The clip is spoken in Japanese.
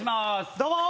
どうも！